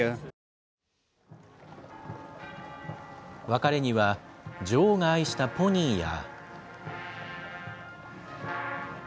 別れには、女王が愛したポニーや。